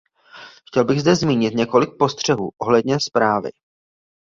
Chtěl bych zde zmínit několik postřehů ohledně zprávy.